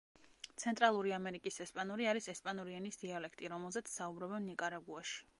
ცენტრალური ამერიკის ესპანური არის ესპანური ენის დიალექტი, რომელზეც საუბრობენ ნიკარაგუაში.